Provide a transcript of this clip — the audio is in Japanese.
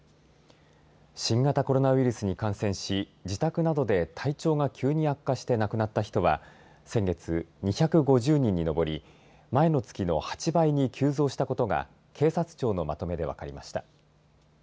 新型コロナウイルスに感染し自宅などで体調が急に悪化して亡くなった人は先月２５０人に上り前の月の８倍に急増したことが警察庁のまとめで分かりました。